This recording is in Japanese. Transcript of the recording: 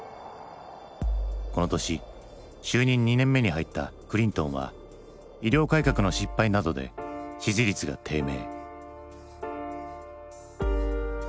この年就任２年目に入ったクリントンは医療改革の失敗などで支持率が低迷。